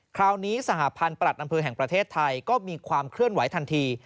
คราวนี้สหพันธ์ประหลัดอำเภอแห่งประเทศไทยก็มีความเคลื่อนไหวทันที